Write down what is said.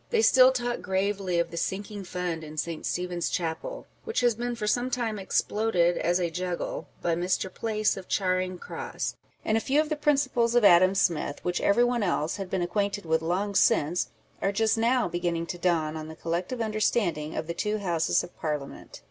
They still talk gravely of the Sinking Fund in St. Stephen's Chapel, which has been for some time exploded as a juggle by Mr. Place of Charing Cross ; and a few of the principles of Adam Smith, which every one else had been acquainted with long since, are just now beginning to dawn on the collec tive understanding of the two Houses of Parliament.